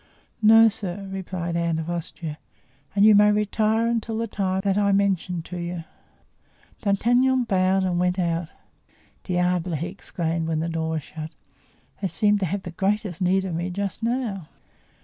"No, sir," replied Anne of Austria, "and you may retire until the time that I mentioned to you." D'Artagnan bowed and went out. "Diable!" he exclaimed when the door was shut, "they seem to have the greatest need of me just now."